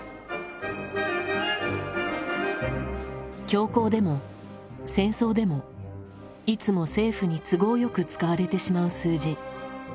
恐慌でも戦争でもいつも政府に都合よく使われてしまう数字。